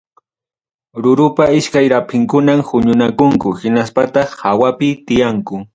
Rurupa iskay rapinkunam huñunakunku, hinaspañataq hawapi tiyanku.